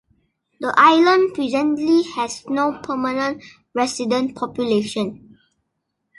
The island presently has no permanent resident population.